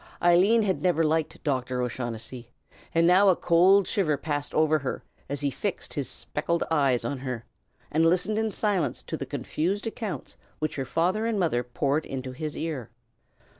Eileen had never liked Dr. O'Shaughnessy; and now a cold shiver passed over her as he fixed his spectacled eyes on her and listened in silence to the confused accounts which her father and mother poured into his ear.